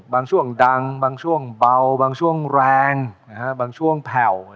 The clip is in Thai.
บางช่วงดังบางช่วงเบาบางช่วงแรงบางช่วงแผ่ว